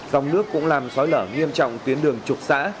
dòng nước cũng làm xói lở nghiêm trọng tuyến đường trục xã